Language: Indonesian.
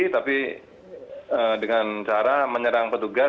tapi dengan cara menyerang petugas